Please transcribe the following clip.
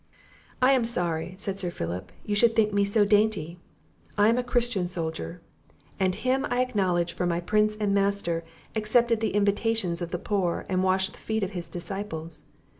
"I am sorry," said Sir Philip, "you should think me so dainty; I am a Christian soldier; and him I acknowledge for my Prince and Master, accepted the invitations of the poor, and washed the feet of his disciples.